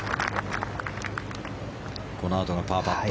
このあとがパーパット。